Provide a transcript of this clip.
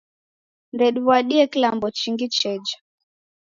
Ndediw'adie kilambo chingi cheja.